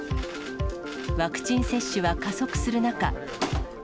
ワクチン接種は加速する中。